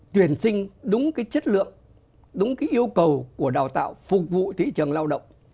tuyển sinh đúng cái chất lượng đúng cái yêu cầu của đào tạo phục vụ thị trường lao động